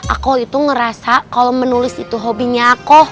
aku itu ngerasa kalau menulis itu hobinya aku